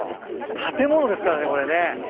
建物ですからねこれね。